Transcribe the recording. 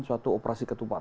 suatu operasi ketupat